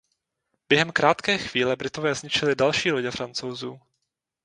Během krátké chvíle Britové zničili další lodě Francouzů.